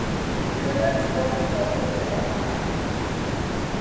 Li revenis post morto de la patro.